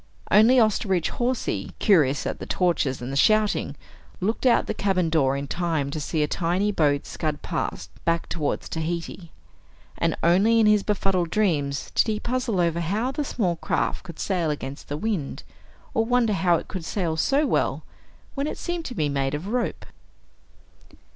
Only Osterbridge Hawsey, curious at the torches and the shouting, looked out the cabin door in time to see a tiny boat scud past, back toward Tahiti. And only in his befuddled dreams did he puzzle over how the small craft could sail against the wind, or wonder how it could sail so well, when it seemed to be made of rope.